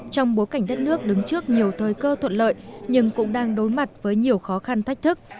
trong bối cảnh đất nước đứng trước nhiều thời cơ thuận lợi nhưng cũng đang đối mặt với nhiều khó khăn thách thức